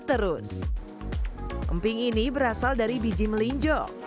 emping ini berasal dari biji melinjo